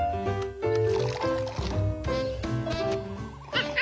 ア。ハッハ！